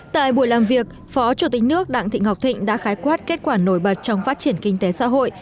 tại buổi làm việc phó chủ tịch nước đặng thị ngọc thịnh đã khái quát kết quả nổi bật trong phát triển kinh tế xã hội